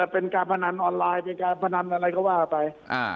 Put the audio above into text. เป็นการพนันออนไลน์เป็นการพนันอะไรก็ว่าไป